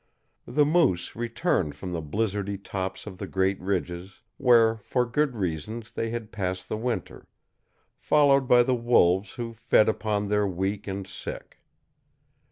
The moose returned from the blizzardy tops of the great ridges, where for good reasons they had passed the winter, followed by the wolves who fed upon their weak and sick.